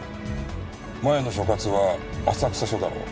前の所轄は浅草署だろう。